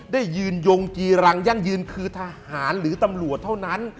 ได้ยืนยงจีเร็งหนึ่งยังยืนคือทหารหรือตำรวจเท่านั้น